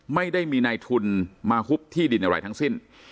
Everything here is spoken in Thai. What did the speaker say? ไม่ได้มีในทุนมาฮุบที่ดินอะไรทั้งสิ้น